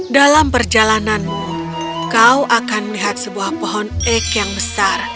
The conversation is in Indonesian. dalam perjalananmu kau akan melihat sebuah pohon ek yang besar